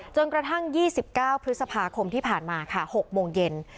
จนกระทั่งยี่สิบเก้าพฤษภาคมที่ผ่านมาค่ะหกโมงเย็น